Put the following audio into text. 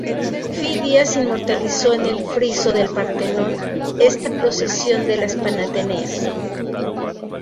Fidias inmortalizó en el friso del Partenón esta procesión de las panateneas.